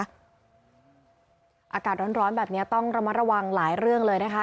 อากาศร้อนแบบนี้ต้องระมัดระวังหลายเรื่องเลยนะคะ